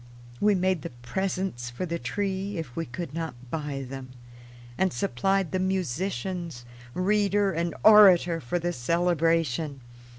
We made the presents for the tree if we could not buy them, and supplied the musicians, reader, and orator for the celebration.